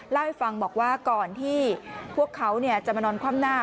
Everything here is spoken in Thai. เล่าให้ฟังบอกว่าก่อนที่พวกเขาจะมานอนคว่ำหน้า